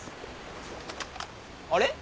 あれ？